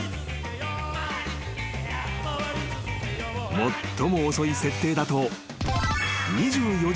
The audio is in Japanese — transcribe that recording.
［最も遅い設定だと］